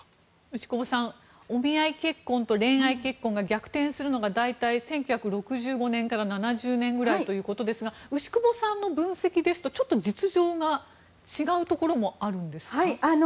牛窪さん、お見合い結婚と恋愛結婚が逆転するのが大体１９６５年から７０年くらいということですが牛窪さんの分析ですと実情が違うところもあるんですか。